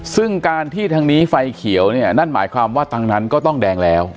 ซึ่งการที่ทางนี้ไฟเขียวเนี่ยนั่นหมายความว่าทางนั้นก็ต้องแดงแล้ว